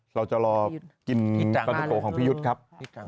เราจะรอกินปลาดุโกะของพี่ยุทธ์ครับ